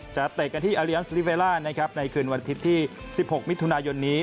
เตะกันที่อาเลียนสลิเวล่านะครับในคืนวันอาทิตย์ที่๑๖มิถุนายนนี้